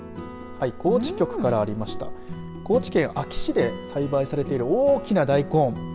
高知局からありました高知県安芸市で栽培されている大きな大根。